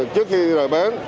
trước khi rời bến